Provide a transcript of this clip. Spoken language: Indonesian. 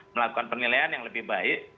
melakukan penilaian yang lebih baik